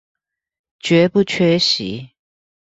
絕不缺席